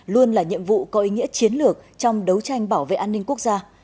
luôn là nhiệm vụ có ý nghĩa chiến lược trong đấu tranh bảo vệ an ninh quốc gia